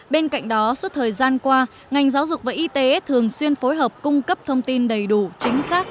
bên cạnh đó suốt thời gian qua ngành giáo dục và y tế thường xuyên phối hợp cung cấp thông tin đầy đủ chính xác